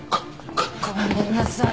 ごめんなさい。